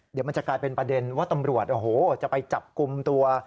เดี๋ยวมันจะกลายเป็นประเด็นว่าตำรวจโอ้โหจะไปจับกลุ่มตัว